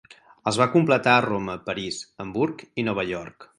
Els va completar a Roma, París, Hamburg i Nova York.